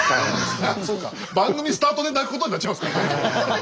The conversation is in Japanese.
そうか番組スタートで泣くことになっちゃいますからね。